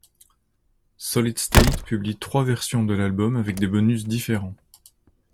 Solid State publie trois versions de l'album avec des bonus différents.